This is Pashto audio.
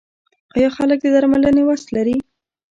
آیا خلک د درملنې وس لري؟